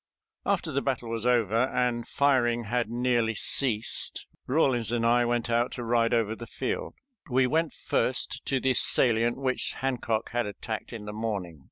After the battle was over and firing had nearly ceased, Rawlins and I went out to ride over the field. We went first to the salient which Hancock had attacked in the morning.